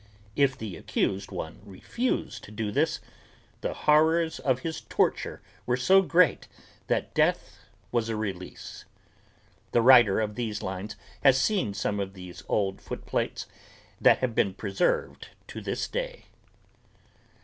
If the accused one refused to do this the horrors of his torture were so great that death was a release. The writer of these lines has seen some of those old footplates that have been preserved to this day.